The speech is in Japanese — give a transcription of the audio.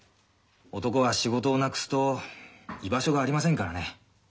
男は仕事をなくすと居場所がありませんからね。